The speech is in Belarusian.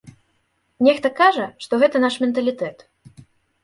Нехта кажа, што гэта наш менталітэт.